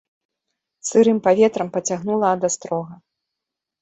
Сырым паветрам пацягнула ад астрога.